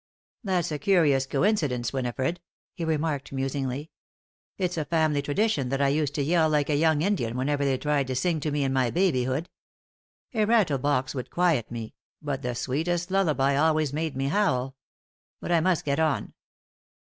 "That's a curious coincidence, Winifred," he remarked, musingly. "It's a family tradition that I used to yell like a young Indian whenever they tried to sing to me in my babyhood. A rattle box would quiet me, but the sweetest lullaby always made me howl. But I must get on.